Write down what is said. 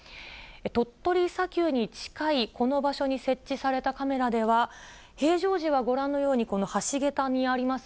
鳥取砂丘に近いこの場所に設置されたカメラでは、平常時はご覧のように、この橋桁にあります